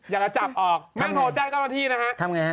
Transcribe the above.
อยากจะจับออกแม่งโน้ทแจ้งก้าวหน้าที่นะฮะทำไง